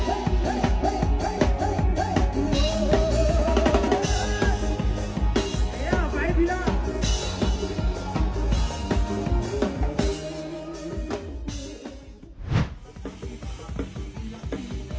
โอ้โหเท่าสิ่งที่หล่อ